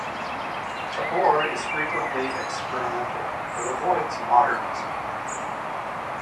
Tabor is frequently experimental but avoids modernism.